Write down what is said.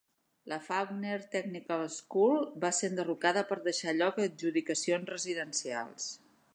La Fawkner Technical School va ser enderrocada per deixar lloc a adjudicacions residencials.